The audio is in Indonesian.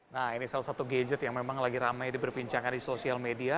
nah ini salah satu gadget yang memang lagi ramai diperbincangkan di sosial media